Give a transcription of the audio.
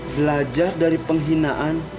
belajar dari penghinaan